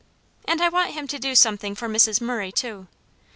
And I want him to do something for Mrs. Murray, too.